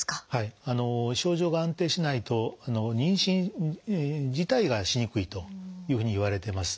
症状が安定しないと妊娠自体がしにくいというふうにいわれてます。